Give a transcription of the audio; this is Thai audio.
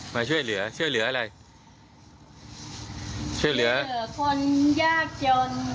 มาช่วยเหลือช่วยเหลืออะไรช่วยเหลือคนยากจน